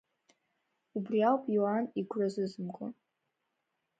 Убри ауп Иоан игәра зызымго.